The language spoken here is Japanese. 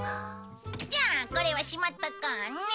じゃあこれはしまっとこうね。